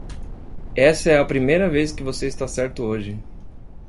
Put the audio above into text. Essa é a primeira vez que você está certo hoje.